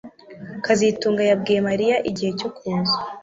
kazitunga yabwiye Mariya igihe cyo kuza